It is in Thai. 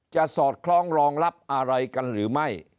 สอดคล้องรองรับอะไรกันหรือไม่